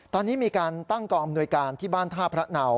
ตอนนี้มีการตั้งกองอำนวยการที่บ้านท่าพระเนา